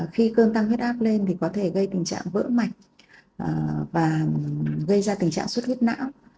khi cơn tăng huyết áp lên thì có thể gây tình trạng vỡ mạch và gây ra tình trạng suất huyết não